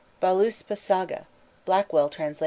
Völuspa saga. (Blackwell _trans.